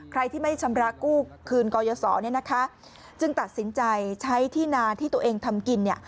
ใครที่ไม่ชำระกู้คืนกรยศจึงตัดสินใจใช้ที่นานที่ตัวเองทำกิน